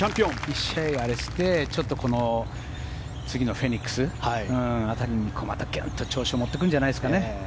１試合あれしてちょっと次のフェニックス辺りにまたギュンと、調子を持っていくんじゃないですかね。